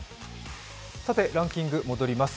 ランキングに戻ります。